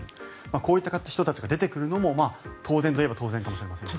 こういった人たちが出てくるのも当然と言えば当然かもしれませんね。